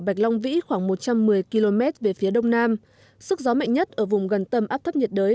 bạch long vĩ khoảng một trăm một mươi km về phía đông nam sức gió mạnh nhất ở vùng gần tâm áp thấp nhiệt đới